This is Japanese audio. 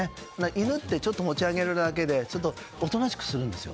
犬ってちょっと持ち上げるだけでおとなしくするんですよ。